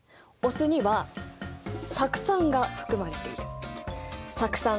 お酢には酢酸が含まれている。